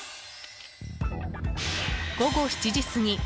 午後７時過ぎ。